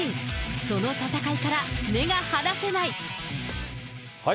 その戦いから目が離せない。